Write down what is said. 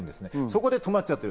そこで止まっちゃってる。